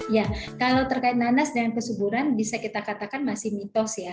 ya kalau terkait nanas dan kesuburan bisa kita katakan masih mitos ya